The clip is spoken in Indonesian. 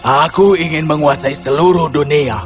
aku ingin menguasai seluruh dunia